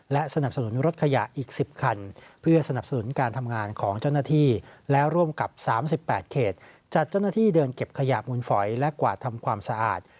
และสนับสนุนรถขยะอีก๑๐คันเพื่อสนับสนุนการทำงานของเจ้าหน้าที่และร่วมกับ๓๘เขตจัดเจ้าหน้าที่เดินเก็บขยะมูลฝอยและกวาดทำความสะอาด